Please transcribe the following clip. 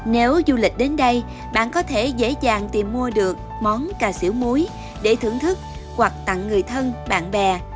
nếu du lịch đến đây bạn có thể dễ dàng tìm mua được món cà xỉu muối để thưởng thức hoặc tặng người thân bạn bè